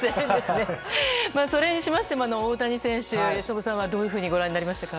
それにしましても大谷選手由伸さんはどういうふうにご覧になりましたか？